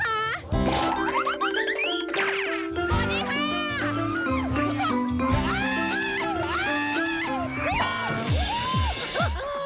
สวัสดีค่ะ